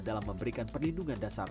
dalam memberikan perlindungan dan keselamatan